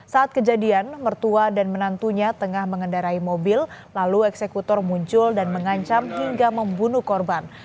saat kejadian mertua dan menantunya tengah mengendarai mobil lalu eksekutor muncul dan mengancam hingga membunuh korban